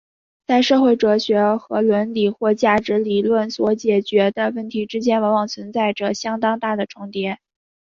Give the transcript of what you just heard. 在社会哲学和伦理或价值理论所解决的问题之间往往存在着相当大的重叠。